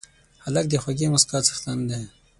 هلک د خوږې موسکا څښتن دی.